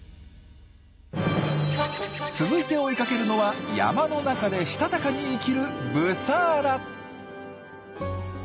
続いて追いかけるのは山の中でしたたかに生きるブサーラ。